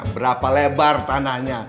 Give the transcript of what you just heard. berapa lebar tanahnya